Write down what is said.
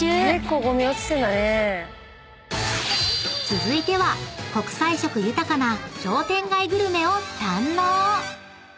［続いては国際色豊かな商店街グルメを堪能］